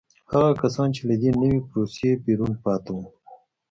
هغه کسان چې له دې نوې پروسې بیرون پاتې وو